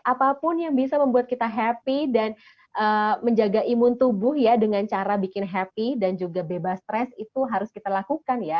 apapun yang bisa membuat kita happy dan menjaga imun tubuh ya dengan cara bikin happy dan juga bebas stres itu harus kita lakukan ya